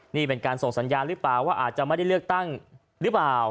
นี่เป็นการส่งสัญญาณหรือเปล่าว่าอาจจะไม่ได้เลือกตั้งหรือเปล่า